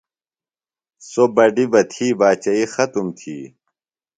سوۡ بڈیۡ بہ تھی باچئی ختُم تھی۔